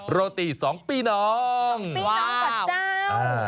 โรตีสองปีน้องว้าวสองปีน้องก่อนเจ้า